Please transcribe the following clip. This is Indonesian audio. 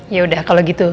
yaudah kalo gitu